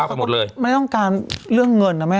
แต่บางคนที่ไม่ต้องการเรื่องเงินนะแม่